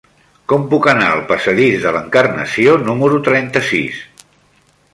Com puc anar al passadís de l'Encarnació número trenta-sis?